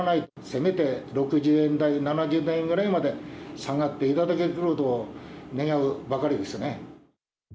せめて６０円台、７０円台ぐらいまで下がっていただけると願うばかりですね。